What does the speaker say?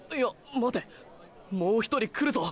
待てもう１人来るぞ！